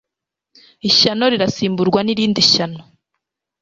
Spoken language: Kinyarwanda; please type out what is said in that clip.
ishyano rirasimburwa n' irindi shyano.